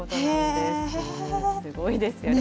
すごいですよね。